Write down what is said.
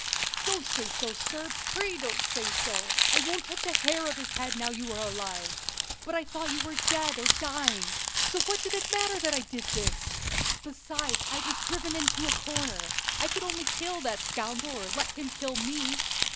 "Don't say so, sir! pray don't say so! I won't touch a hair of his head now you are alive; but I thought you were dead or dying, so what did it matter then what I did? Besides, I was driven into a corner; I could only kill that scoundrel or let him kill me.